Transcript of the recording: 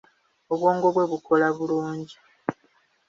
Obwongo bwe bukola bulungi.